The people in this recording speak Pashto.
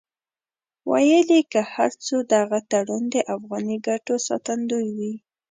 ویل یې که هر څو دغه تړون د افغاني ګټو ساتندوی وي.